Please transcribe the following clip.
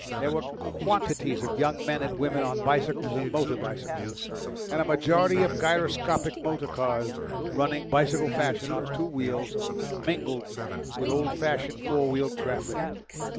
There were quantities of young men and women on bicycles and motor bicycles, and a majority of gyroscopic motor cars running bicycle fashion on two wheels, mingled with old fashioned four wheeled traffic.